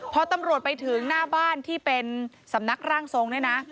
พอตำรวจไปถึงหน้าบ้านที่เป็นสำนักร่างทรงเนี่ยนะ